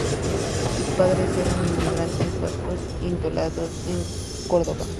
Sus padres eran inmigrantes vascos instalados en Córdoba.